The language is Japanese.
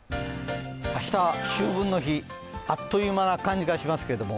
明日、秋分の日、あっという間な感じがしますけれども。